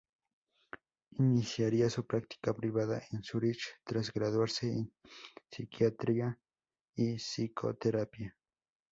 Iniciaría su práctica privada en Zúrich tras graduarse en psiquiatría y psicoterapia.